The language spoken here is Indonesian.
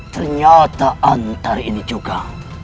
ternyata antari ini juga